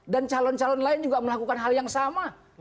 dan calon calon lain juga melakukan hal yang sama